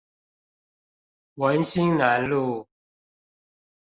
文心南路